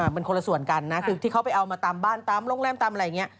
มันคนละส่วนกันนะคือที่เขาไปเอามาตามบ้านตามโรงแรมตามอะไรอย่างนี้